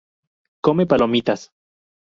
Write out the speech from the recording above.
Come palomitas.